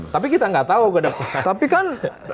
tapi kita nggak tahu ke depan